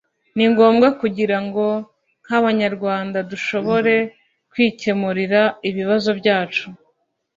ni ngombwa kugira ngo nk’abanyarwanda dushobore kwikemurira ibibazo byacu